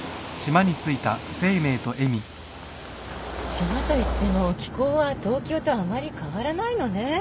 島といっても気候は東京とあまり変わらないのねぇ。